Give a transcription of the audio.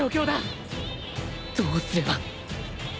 どうすれば